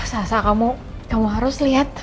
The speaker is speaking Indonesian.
sasa kamu harus lihat